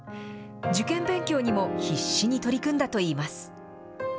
受験勉強にも必死に取り組んだといいます。